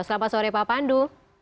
selamat sore pak pandu